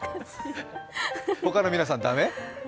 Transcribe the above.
他の皆さん、駄目？